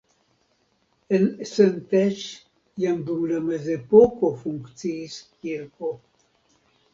En Szentes jam dum la mezepoko funkciis kirko.